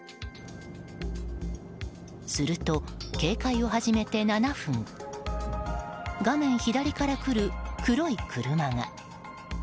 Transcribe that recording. すると、警戒を始めて７分画面左から来る黒い車が。